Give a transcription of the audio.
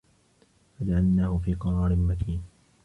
فَجَعَلناهُ في قَرارٍ مَكينٍ